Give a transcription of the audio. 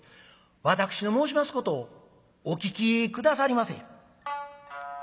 私の申しますことをお聞き下さりませ」。